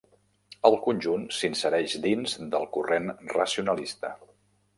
El conjunt s'insereix dins del corrent racionalista.